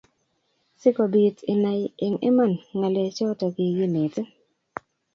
Si kobiit inai eng' iman, ng'alechato kiginetin.